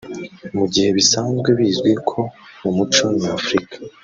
Mu gihe bisanzwe bizwi ko mu muco nyafurika